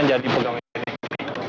menjadi pegawai negara ini